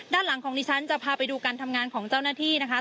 ด้านหลังของดิฉันจะพาไปดูการทำงานของเจ้าหน้าที่นะคะ